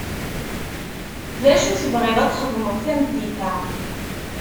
D acu tebɣiḍ ad txedmeḍ tameddit?